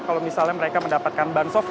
kalau misalnya mereka mendapatkan ban soft